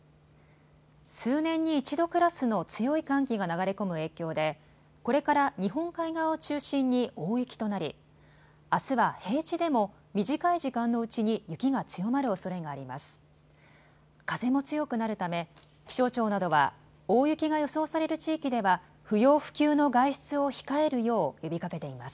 数年に一度クラスの強い寒気が流れ込む影響でこれから日本海側を中心に大雪となりあすは平地でも短い時間のうちに雪が強まるおそれがあります。